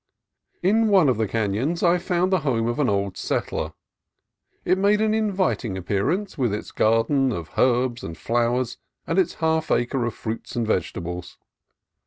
In one of the canons I found the home of an old settler. It made an inviting appearance, with its garden of herbs and flowers and its half acre of fruits and vegetables.